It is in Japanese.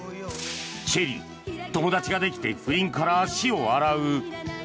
チェリー、友達ができて不倫から足を洗う。